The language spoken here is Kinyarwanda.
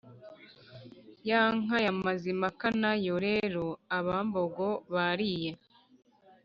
ya nka ya mazimpaka na yo rero abambogo bariye